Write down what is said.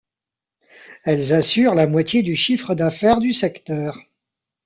Elles assurent la moitié du chiffre d'affaires du secteur.